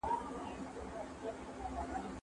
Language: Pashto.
هلک غواړي چې انا وگوري.